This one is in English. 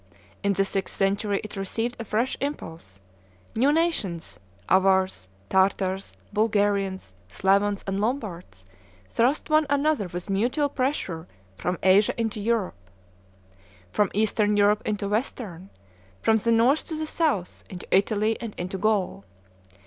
In the sixth century it received a fresh impulse; new nations, Avars, Tartars, Bulgarians, Slavons, and Lombards thrust one another with mutual pressure from Asia into Europe, from Eastern Europe into Western; from the North to the South, into Italy and into Gaul.